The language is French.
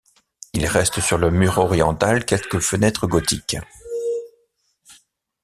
Il reste sur le mur oriental quelques fenêtres gothiques.